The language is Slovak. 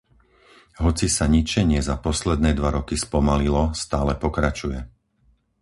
Hoci sa ničenie za posledné dva roky spomalilo, stále pokračuje.